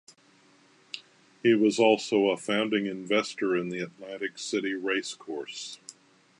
He was also a founding investor in the Atlantic City Race Course.